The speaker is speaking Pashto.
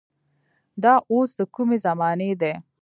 دا اوس د کومې زمانې دي.